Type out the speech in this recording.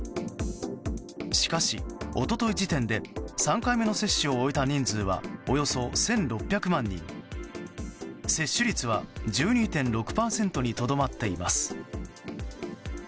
しかし、一昨日時点で３回目の接種を終えた人数はおよそ１６００万人接種率は１２．６％にとどまっています。